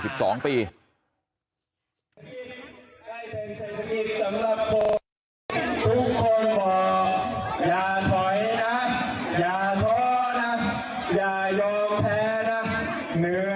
แหมเกิดมาก็ไม่เคยจะคิดนะครับ